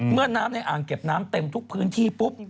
เมื่อน้ำในอ่างเก็บน้ำเต็มทุกพื้นที่ปุ๊บ